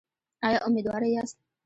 ایا امیدواره یاست؟